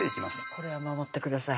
これは守ってください